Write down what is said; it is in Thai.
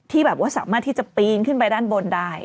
แบบว่าสามารถที่จะปีนขึ้นไปด้านบนได้